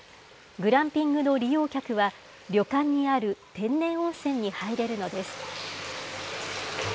グランピングの利用客は、旅館にある天然温泉に入れるのです。